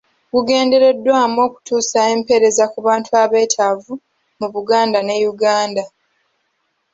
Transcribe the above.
Gugendereddwamu okutuusa empereeza ku bantu abeetaavu mu Buganda ne Yuganda.